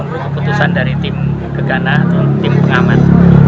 menunggu keputusan dari tim gegana atau tim pengamat